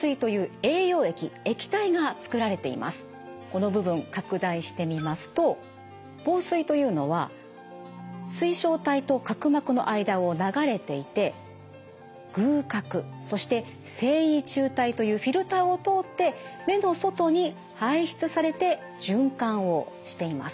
この部分拡大してみますと房水というのは水晶体と角膜の間を流れていて隅角そして線維柱帯というフィルターを通って目の外に排出されて循環をしています。